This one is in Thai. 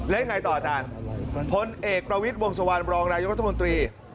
แล้วยังไงต่ออาจารย์พลเอกประวิทย์วงสุวรรณบรองนายกรัฐมนตรี